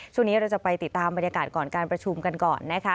ช่วงนี้เราจะไปติดตามบรรยากาศก่อนการประชุมกันก่อนนะคะ